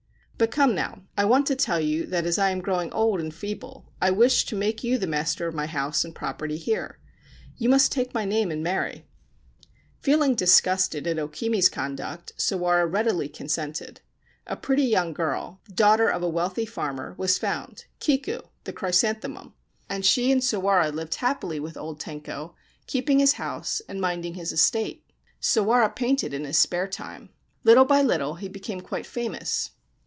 But come now — I want to tell you that, as I am growing old and feeble, I wish to make you the master of my house and property here. You must take my name and marry !' Feeling disgusted at O Kimi's conduct, Sawara readily consented. A pretty young girl, the daughter of a wealthy farmer, was found — Kiku (the Chrysanthemum) ;— and she and Sawara lived happily with old Tenko, keeping his house and minding his estate. Sawara painted in his spare time. Little by little he became quite famous.